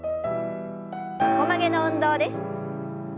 横曲げの運動です。